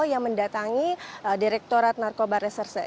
yang mendatangi direktorat narkoba reserse